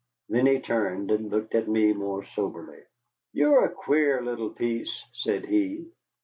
Then he turned and looked at me more soberly. "You're a queer little piece," said he.